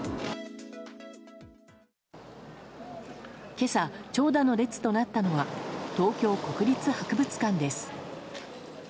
今朝、長蛇の列となったのは東京国立博物館です。